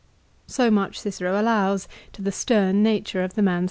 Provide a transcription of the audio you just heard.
So much Cicero allows to the stern nature of the man's character.